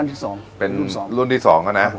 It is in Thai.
ผมเป็นรุ่นที่สอง